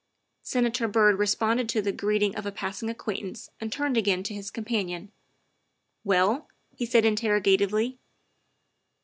Senator Byrd responded to the greeting of a passing acquaintance and turned again to his companion. " Well?" he said interrogatively.